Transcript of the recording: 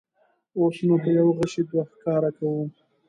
اوس نو په یوه غیشي دوه ښکاره کوو.